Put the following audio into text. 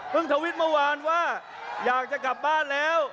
ทวิตเมื่อวานว่าอยากจะกลับบ้านแล้ว